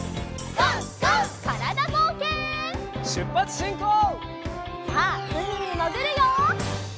さあうみにもぐるよ！